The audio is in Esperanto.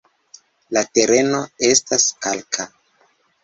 La tereno estas kalka.